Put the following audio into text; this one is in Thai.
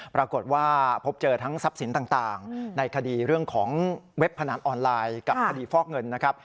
ปรากฏว่าพบเจอทั้งทรัพย์สินต่างในคดีเรื่องของเว็บพนันออนไลน์กับคดีฟอกเงินนะครับ